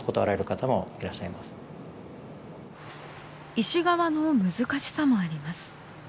医師側の難しさもあります。